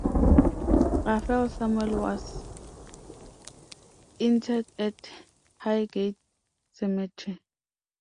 Raphael Samuel was interred at Highgate Cemetery.